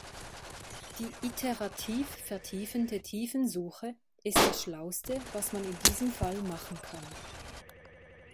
Die iterativ vertiefende Tiefensuche ist das schlauste, was man in diesem Fall machen kann.